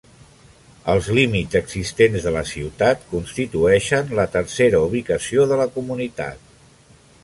Els límits existents de la ciutat constitueixen la tercera ubicació de la comunitat.